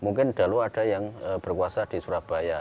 mungkin dahulu ada yang berkuasa di surabaya